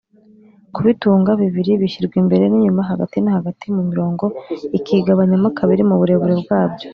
kubitunga bibiri bishyirwa imbere n’inyuma hagati na hagati mu murongo ikigabanyamo kabiri mu burebure bwabyo